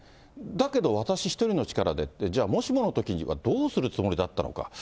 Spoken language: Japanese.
だけど私一人の力でって、じゃあもしものときにどうするつもりだったのか。